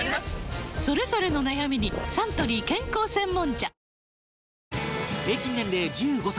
それぞれの悩みにサントリー健康専門茶平均年齢１５歳